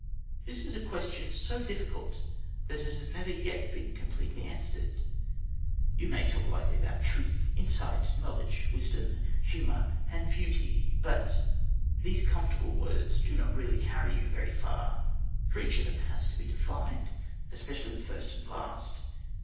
This is a question so difficult that it has never yet been completely answered. You may talk lightly about truth, insight, knowledge, wisdom, humour, and beauty. But these comfortable words do not really carry you very far, for each of them has to be defined, especially the first and last.